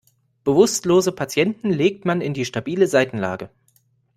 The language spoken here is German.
Bewusstlose Patienten legt man in die stabile Seitenlage.